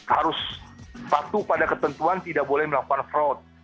harus patuh pada ketentuan tidak boleh melakukan fraud